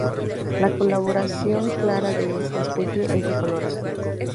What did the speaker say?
La coloración clara de esta especie es de color azul.